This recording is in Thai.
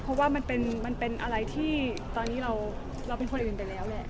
เพราะว่ามันเป็นอะไรที่ตอนนี้เราเป็นคนอื่นไปแล้วแหละ